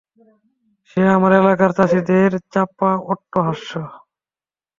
সে আমার এলাকার চাষিদের চাপা অট্টহাস্য।